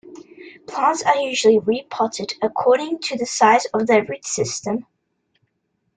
Plants are usually re-potted according to the size of their root system.